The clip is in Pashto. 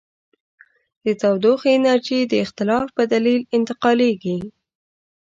د تودوخې انرژي د اختلاف په دلیل انتقالیږي.